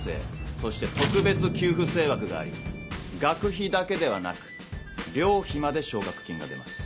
そして特別給付生枠があり学費だけではなく寮費まで奨学金が出ます。